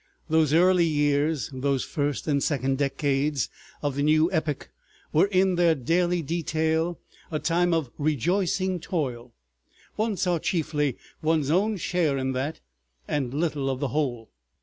Those early years, those first and second decades of the new epoch, were in their daily detail a time of rejoicing toil; one saw chiefly one's own share in that, and little of the whole.